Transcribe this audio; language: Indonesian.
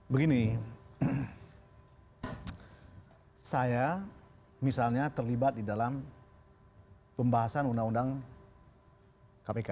begini saya misalnya terlibat di dalam pembahasan undang undang kpk